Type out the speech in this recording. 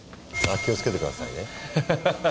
あっ気をつけて下さいね。